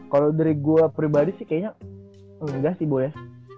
kalo dari gua pribadi sih kayaknya enggak sih boleh